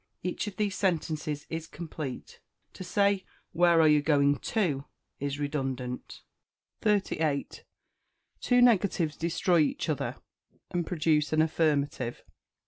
Each of these sentences is complete. To say, "Where are you going to?" is redundant. 38. Two negatives destroy each other, and produce an affirmative.